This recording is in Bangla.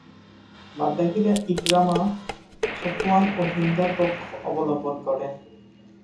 বাদ বাকীরা ইকরামা, সফওয়ান ও হিন্দার পক্ষ অবলম্বন করে।